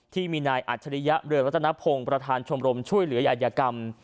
ที่มีนายอัศริยเรือนวัฒนภงประธานชมรมช่วยเหลือยัยกรรม